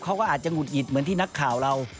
เขาก็อาจจะหงุดหงิดเหมือนที่นักข่าวเรา